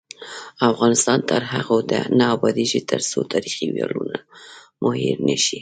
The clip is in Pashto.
افغانستان تر هغو نه ابادیږي، ترڅو تاریخي ویاړونه مو هیر نشي.